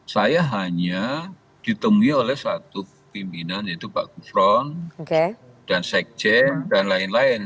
saya hanya ditemui oleh satu pimpinan yaitu pak gufron dan sekjen dan lain lain